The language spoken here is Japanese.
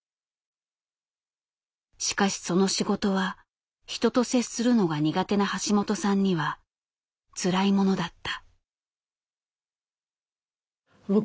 しかしその仕事は人と接するのが苦手な橋本さんにはつらいものだった。